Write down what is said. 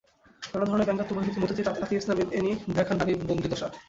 নানা ধরনের ব্যঙ্গাত্মক অভিব্যক্তির মধ্যে দিয়ে আতিয়া ইসলাম এ্যানী দেখান নারীর বন্দিদশা।